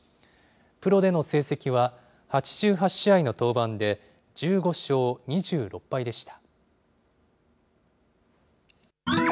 プロでの成績は８８試合の登板で１５勝２６敗でした。